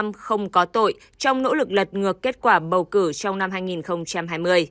trump không có tội trong nỗ lực lật ngược kết quả bầu cử trong năm hai nghìn hai mươi